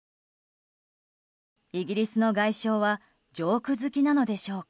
イギリスの外相はジョーク好きなのでしょうか。